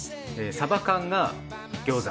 サバ缶が餃子。